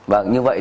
và như vậy